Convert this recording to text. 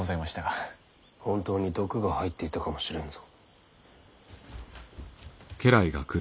本当に毒が入っていたかもしれんぞ。